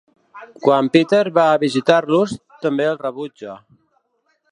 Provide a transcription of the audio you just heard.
Quan Peter ve a visitar-los, també el rebutja.